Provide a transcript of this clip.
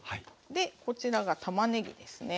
でこちらがたまねぎですね。